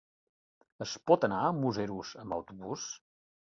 Es pot anar a Museros amb autobús?